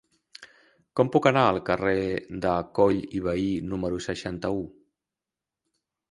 Com puc anar al carrer de Coll i Vehí número seixanta-u?